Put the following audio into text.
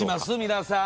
皆さん。